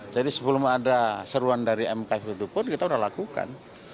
jadi sebelum ada seruan dari mkf itu pun kita sudah lakukan